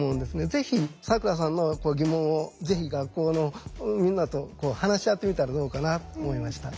ぜひ咲良さんの疑問をぜひ学校のみんなと話し合ってみたらどうかなと思いました。